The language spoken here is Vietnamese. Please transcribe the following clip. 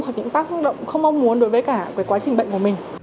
tác thương động không mong muốn đối với cả quá trình bệnh của mình